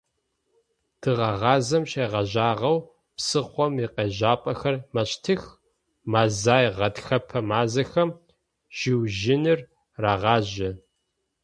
Тыгъэгъазэм щегъэжьагъэу псыхъом икъежьапӏэхэр мэщтых, мэзай – гъэтхэпэ мазэхэм жъужьыныр рагъажьэ.